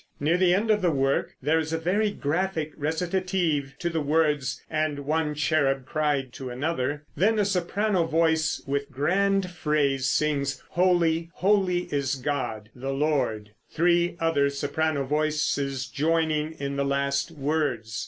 Near the end of the work there is a very graphic recitative to the words, "And One Cherub Cried to Another"; then a soprano voice with grand phrase sings "Holy, Holy Is God, the Lord," three other soprano voices joining in the last words.